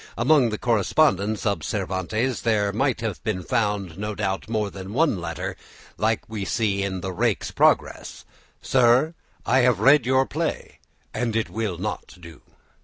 Among the correspondence of Cervantes there might have been found, no doubt, more than one letter like that we see in the "Rake's Progress," "Sir, I have read your play, and it will not doo."